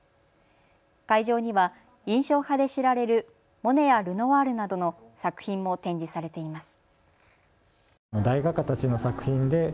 会場には印象派で知られるモネやルノワールなどの作品も展示されています。